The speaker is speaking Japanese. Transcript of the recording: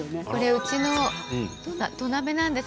うちの土鍋なんです。